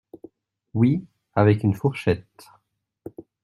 Oui… avec une fourchette.